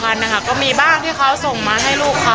มันคงคงไม่ดีเท่าที่แม่ความดูแล